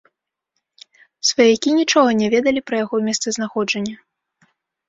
Сваякі нічога не ведалі пра яго месцазнаходжанне.